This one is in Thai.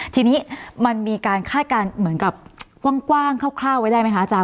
ทีนี้มันมีการคาดการณ์เหมือนกับกว้างคร่าวไว้ได้ไหมคะอาจาร